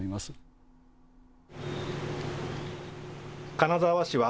金沢市は、